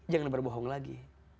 jangan berbohong lagi